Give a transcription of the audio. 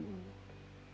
sekolah lagi gitu